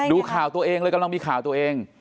ดูข่าวตัวเองเลยกำลังมีข่าวตัวเอง